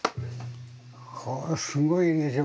これすごいでしょ。